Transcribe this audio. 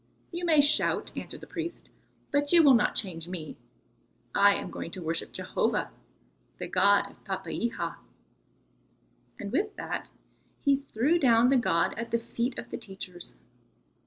"You may shout," answered the priest, "but you will not change me. I am going to worship Jehovah, the God of Papeiha." And with that he threw down the god at the feet of the teachers.